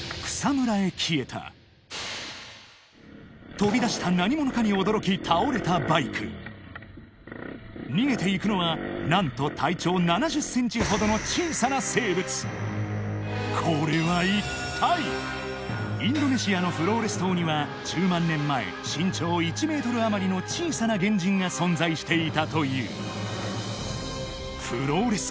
飛び出した何者かに驚き倒れたバイク逃げていくのは何と体長７０ｃｍほどの小さな生物インドネシアのフローレス島には１０万年前身長１ｍあまりの小さな原人が存在していたというフローレス